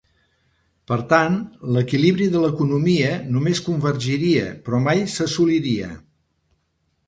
Per tant, l'equilibri de l'economia només convergiria però mai s'assoliria.